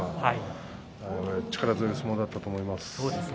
力強い相撲だったと思います。